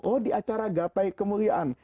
oh di acara gapai kemuliaan